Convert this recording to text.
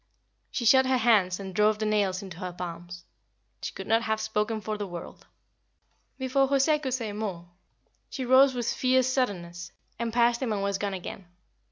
She shut her hands and drove the nails into her palms. She could not have spoken for the world. Before José could say more she rose with fierce suddenness, and passed him and was gone again.